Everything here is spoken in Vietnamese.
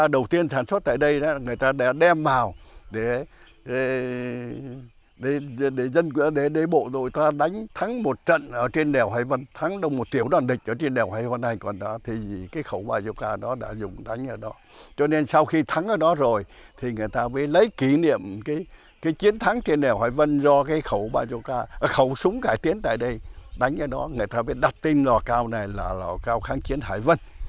điện biên phủ đã đặt tên là lò cao kháng chiến hải vân